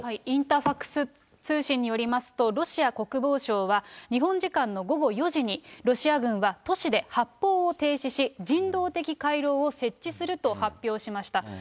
インタファクス通信によりますと、ロシア国防省は、日本時間の午後４時に、ロシア軍は都市で発砲を停止し、人道的回廊を設置すると発表しました。